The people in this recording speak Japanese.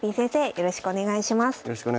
よろしくお願いします。